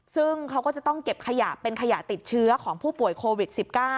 ซึ่งเขาก็จะต้องเก็บขยะเป็นขยะติดเชื้อของผู้ป่วยโควิด๑๙